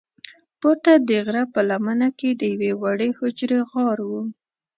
پورته د غره په لمنه کې د یوې وړې حجرې غار و.